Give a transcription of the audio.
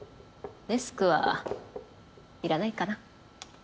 デスクはいらないかな。